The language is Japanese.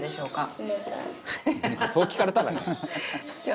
「そう聞かれたらね」